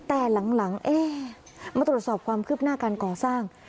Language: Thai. แต่หลังเอ๊ะมาตรวจสอบความคืบหน้าการก่อสร้าง